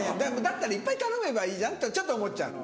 だったらいっぱい頼めばいいじゃんとちょっと思っちゃう。